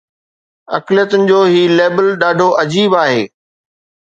اقليتن جو هي ليبل ڏاڍو عجيب آهي.